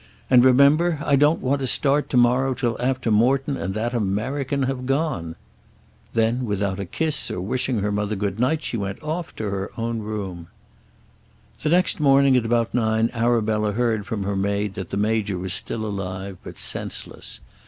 And, remember, I don't want to start to morrow till after Morton and that American have gone." Then without a kiss or wishing her mother good night she went off to her own room. The next morning at about nine Arabella heard from her maid that the Major was still alive but senseless.